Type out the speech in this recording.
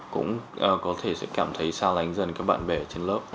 cũng có thể sẽ cảm thấy xa lánh dần các bạn bè ở trên lớp